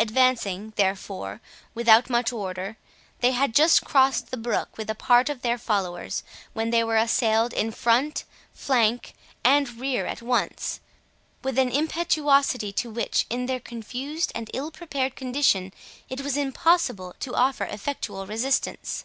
Advancing, therefore, without much order, they had just crossed the brook with a part of their followers, when they were assailed in front, flank, and rear at once, with an impetuosity to which, in their confused and ill prepared condition, it was impossible to offer effectual resistance.